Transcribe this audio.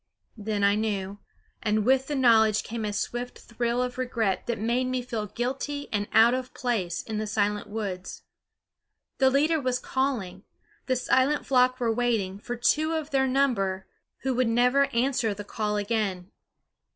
Then I knew; and with the knowledge came a swift thrill of regret that made me feel guilty and out of place in the silent woods. The leader was calling, the silent flock were waiting for two of their number who would never answer the call again.